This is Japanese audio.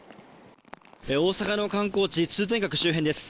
大阪の観光地、通天閣周辺です。